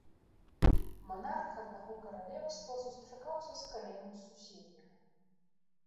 Манарх аднаго каралеўства сустракаўся з калегам з суседняга.